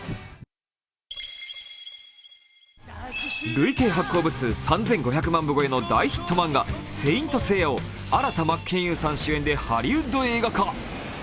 累計発行部数３５００万部超えの大ヒット漫画「聖闘士星矢」を新田真剣佑さん主演でハリウッド映画化。